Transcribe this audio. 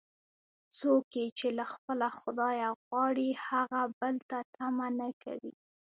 څوک یې چې له خپله خدایه غواړي، هغه بل ته طمعه نه کوي.